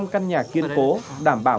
một trăm linh căn nhà kiên cố đảm bảo